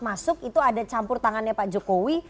masuk itu ada campur tangannya pak jokowi